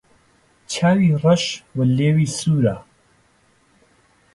چاوی رەش و لێوی سوورە